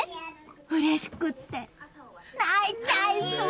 うれしくって泣いちゃいそう！